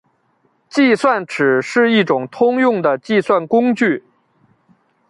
计算尺是一种通用的计算工具。